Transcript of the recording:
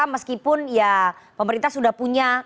meskipun ya pemerintah sudah punya